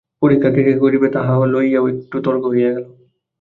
পরীক্ষা কে কে করিবে তাহা লইয়াও একটু তর্ক হইয়া গেল।